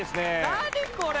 何これ！